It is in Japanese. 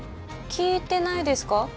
聞いてないですか？